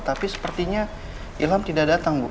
tapi sepertinya ilham tidak datang bu